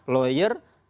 loe ylbhi dan ylbhi